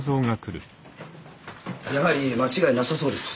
やはり間違いなさそうです。